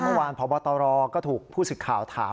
เมื่อวานพบตรก็ถูกผู้สึกข่าวถาม